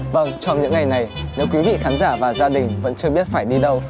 vâng trong những ngày này nếu quý vị khán giả và gia đình vẫn chưa biết phải đi đâu